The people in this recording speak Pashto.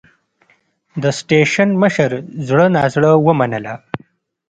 د سټېشن مشر زړه نازړه ومنله.